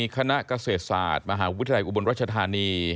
คณะเกษตรศาสตร์มหาวิทยาลัยอุบลรัชธานี